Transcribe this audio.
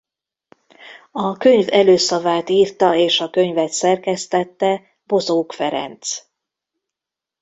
A könyv előszavát írta és a könyvet szerkesztette Bozók Ferenc.